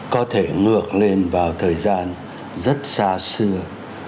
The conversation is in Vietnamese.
có thể ngược lên vào thời gian rất xa xưa